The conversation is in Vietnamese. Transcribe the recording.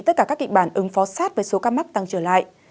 tất cả các kịch bản ứng phó sát với số ca mắc tăng trở lại